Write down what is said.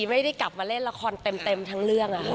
ไม่ได้กลับมาเล่นละครเต็มทั้งเรื่อง